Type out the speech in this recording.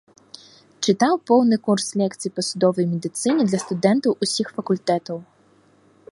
Чытаў поўны курс лекцый па судовай медыцыне для студэнтаў усіх факультэтаў.